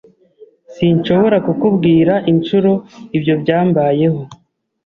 Sinshobora kukubwira inshuro ibyo byambayeho.